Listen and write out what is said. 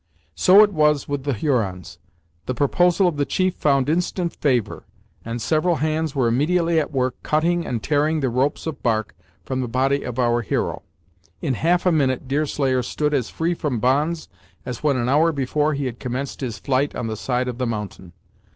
So it was with the Hurons. The proposal of the chief found instant favor, and several hands were immediately at work, cutting and tearing the ropes of bark from the body of our hero. In half a minute Deerslayer stood as free from bonds as when an hour before he had commenced his flight on the side of the mountain.